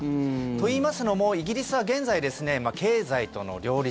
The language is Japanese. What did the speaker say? といいますのもイギリスは現在経済との両立